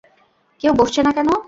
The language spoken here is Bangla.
কেউ বসছে না কেন?